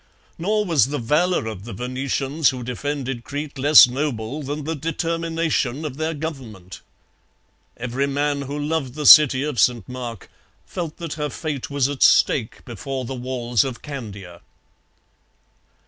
Nor was the valour of the Venetians who defended Crete less noble than the determination of their government. Every man who loved the city of St Mark felt that her fate was at stake before the walls of Candia.